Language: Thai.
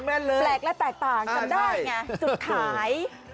แปลกและแตกต่างจำได้ไงจุดขาย